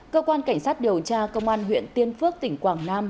cơ quan cảnh sát điều tra công an huyện tiên phước tỉnh quảng nam